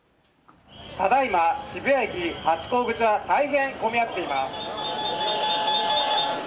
ただ今、渋谷駅ハチ公口は大変混み合っています。